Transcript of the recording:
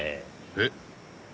えっ？